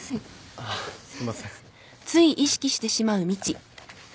あっすいません。